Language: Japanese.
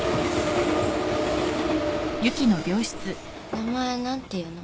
名前何ていうの？